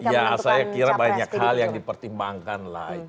ya saya kira banyak hal yang dipertimbangkan lah